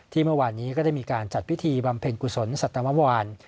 เมื่อวานนี้ก็ได้มีการจัดพิธีบำเพ็ญกุศลสัตมวาน